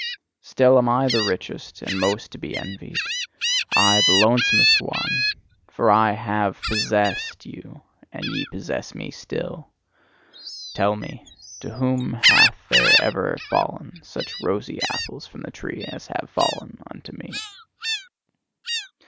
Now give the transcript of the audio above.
Still am I the richest and most to be envied I, the lonesomest one! For I HAVE POSSESSED you, and ye possess me still. Tell me: to whom hath there ever fallen such rosy apples from the tree as have fallen unto me?